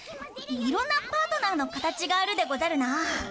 いいろんなパートナーの形があるでござるなぁ。